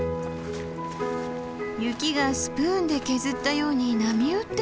雪がスプーンで削ったように波打ってる。